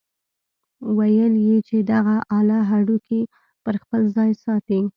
ويل يې چې دغه اله هډوکي پر خپل ځاى ساتي.